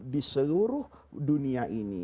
di seluruh dunia ini